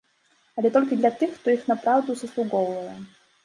Але толькі для тых, хто іх напраўду заслугоўвае.